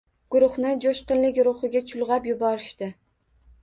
Guruhni jo‘shqinlik ruhiga chulg‘ab yuborishdi.